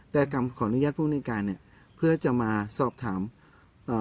แต่คำขออนุญาตผู้ในการเนี้ยเพื่อจะมาสอบถามเอ่อ